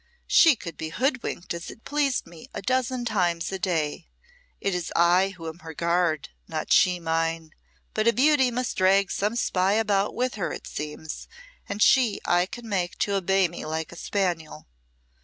She could be hoodwinked as it pleased me a dozen times a day. It is I who am her guard, not she mine! But a beauty must drag some spy about with her, it seems, and she I can make to obey me like a spaniel.